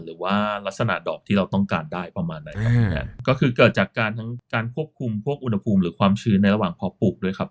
หรือว่าลักษณะดอกที่เราต้องการได้ประมาณนั้นก็คือเกิดจากการทั้งการควบคุมพวกอุณหภูมิหรือความชื้นในระหว่างเพาะปลูกด้วยครับ